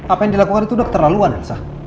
apa yang dilakukan itu udah keterlaluan elsa